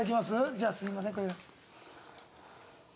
じゃあすいませんこれで。